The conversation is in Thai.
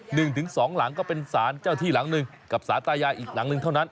หนึ่งถึงสองหลังก็เป็นสารเจ้าที่หลังหนึ่งกับสารตายายอีกหลังหนึ่งเท่านั้น